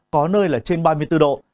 có nơi là trên ba mươi bốn độ